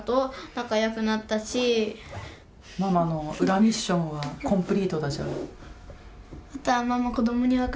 ママの裏ミッションはコンプリートだじゃあ。